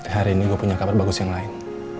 hari ini gue punya kabar bagus yang lain